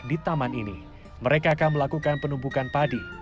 di taman ini mereka akan melakukan penumpukan padi